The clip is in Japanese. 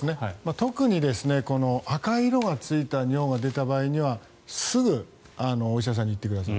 特に赤い色がついた尿が出た場合にはすぐ、お医者さんに行ってください。